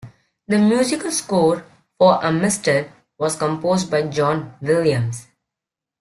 The musical score for "Amistad" was composed by John Williams.